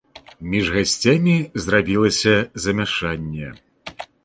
Між гасцямі зрабілася замяшанне.